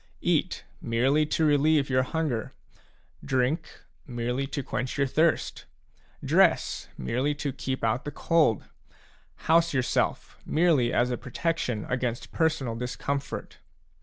Eat merely to relieve your hunger ; drink merely to quench your thirst ; dress merely to keep out the cold ; house yourself merely as a protection against personal discomfort.